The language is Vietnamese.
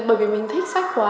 bởi vì mình thích sách quá